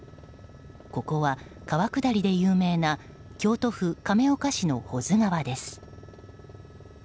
ここは、川下りで有名な京都府亀岡市の保津川です。